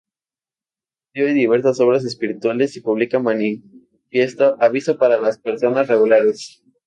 Escribe diversas obras espirituales y publica el manifiesto "Avisos para las personas regulares".